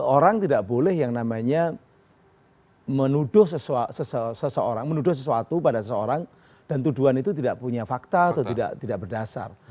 orang tidak boleh yang namanya menuduh seseorang menuduh sesuatu pada seseorang dan tuduhan itu tidak punya fakta atau tidak berdasar